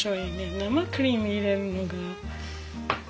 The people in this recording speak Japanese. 生クリーム入れるのが。